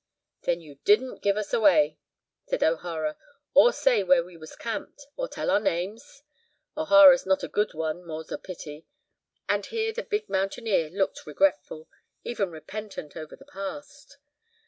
"Then you didn't give us away," said O'Hara, "or say where we was camped, or tell our names? O'Hara's not a good one, more's the pity," and here the big mountaineer looked regretful, even repentant over the past.